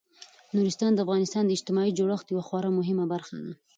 نورستان د افغانستان د اجتماعي جوړښت یوه خورا مهمه برخه ده.